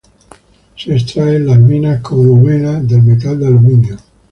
Se extrae en las minas como mena del metal de aluminio.